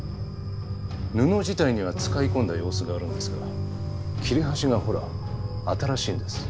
布自体には使い込んだ様子があるんですが切れ端がほら新しいんです。